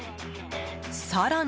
更に。